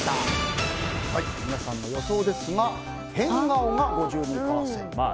皆さんの予想ですが変顔が５２％。